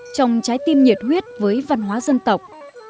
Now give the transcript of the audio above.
trong trái tim nhiệt huyết với văn hóa dân tộc